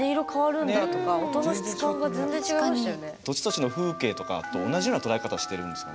土地土地の風景とかと同じような捉え方してるんですかね。